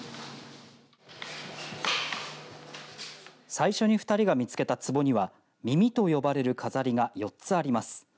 最初に２人が見つけたつぼには耳と呼ばれる飾りが４つあります。